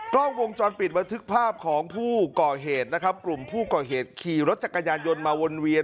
กล้องวงจรปิดบันทึกภาพของผู้ก่อเหตุนะครับกลุ่มผู้ก่อเหตุขี่รถจักรยานยนต์มาวนเวียน